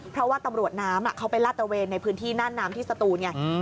เพราะว่าตำรวจน้ำเขาไปลาดตระเวนในพื้นที่น่านน้ำที่สตูนไง